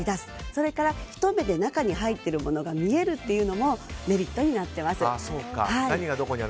それからひと目で中に入ってるものが見えるのもメリットになっています。